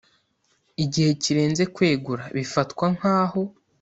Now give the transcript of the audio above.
gihe kirenze kwegura bifatwa nk aho